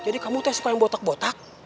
jadi kamu tuh suka yang botak botak